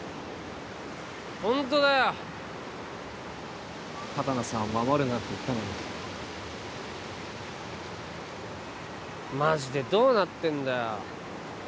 ホントだよ畑野さんを守るなんて言ったのにマジでどうなってんだよ